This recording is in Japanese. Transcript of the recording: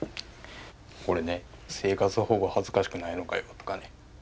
これね「生活保護恥ずかしくないのかよ」とかね。